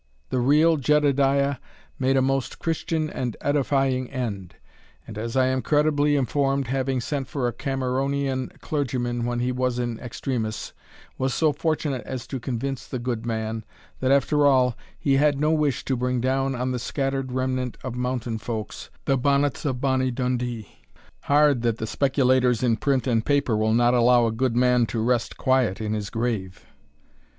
The real Jedediah made a most Christian and edifying end; and, as I am credibly informed, having sent for a Cameronian clergyman when he was in extremis, was so fortunate as to convince the good man, that, after all, he had no wish to bring down on the scattered remnant of Mountain folks, "the bonnets of Bonny Dundee." Hard that the speculators in print and paper will not allow a good man to rest quiet in his grave.